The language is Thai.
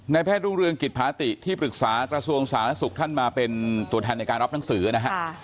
แพทย์รุ่งเรืองกิจภาติที่ปรึกษากระทรวงสาธารณสุขท่านมาเป็นตัวแทนในการรับหนังสือนะฮะ